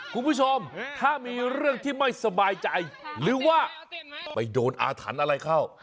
คุณผู้ชมถ้ามีเรื่องที่ไม่สบายใจหรือว่าไปโดนอาถรรพ์อะไรเข้า